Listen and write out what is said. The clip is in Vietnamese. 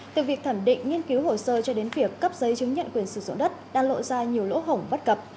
từ việc thẩm định nghiên cứu hồ sơ cho đến việc cấp giấy chứng nhận quyền sử dụng đất đang lộ ra nhiều lỗ hổng bất cập